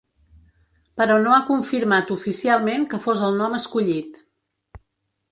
Però no ha confirmat oficialment que fos el nom escollit.